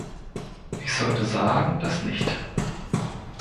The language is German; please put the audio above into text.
Ich sollte sagen, dass nicht.